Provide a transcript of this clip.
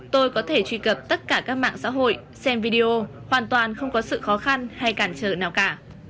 tôi có thể truy cập tất cả các mạng xã hội xem video hoàn toàn không có sự khó khăn hay cản trở nào cả